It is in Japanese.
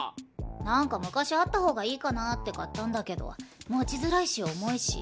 何か昔あった方がいいかなって買ったんだけど持ちづらいし重いし。